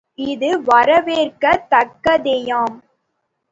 இது வரவேற்கத் தக்கதேயாம்.